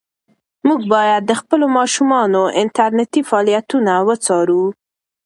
موږ باید د خپلو ماشومانو انټرنيټي فعالیتونه وڅارو.